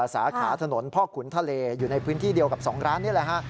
สาขาถนนพ่อขุนทะเลอยู่ในพื้นที่เดียวกับ๒ร้านนี่แหละฮะ